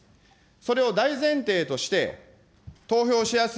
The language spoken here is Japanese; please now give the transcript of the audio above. それを大前提として、投票しやす